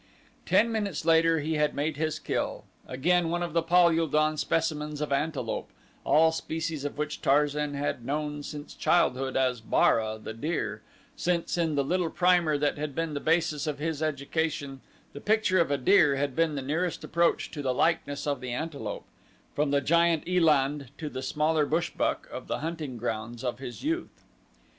Ten minutes later he had made his kill, again one of the Pal ul don specimens of antelope, all species of which Tarzan had known since childhood as Bara, the deer, since in the little primer that had been the basis of his education the picture of a deer had been the nearest approach to the likeness of the antelope, from the giant eland to the smaller bushbuck of the hunting grounds of his youth.